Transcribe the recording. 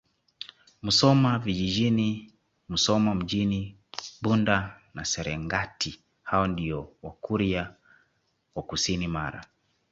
Musoma Vijjini Musoma Mjini Bunda na Serengati hao ndio Wakurya wa kusini Mara